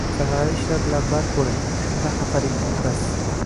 Samarali ishlar bilan band bo‘ling, shunda xafalikni unutasiz.